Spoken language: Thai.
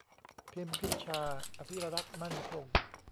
พิมพ์พิชชา อภิรักษ์มั่นคง